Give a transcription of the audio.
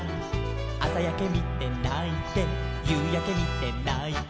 「あさやけみてないてゆうやけみてないて」